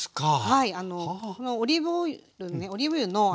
はい。